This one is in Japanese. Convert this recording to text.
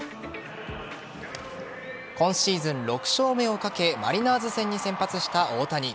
今シーズン６勝目をかけマリナーズ戦に先発した大谷。